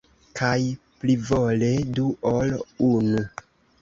Kaj plivole du ol unu!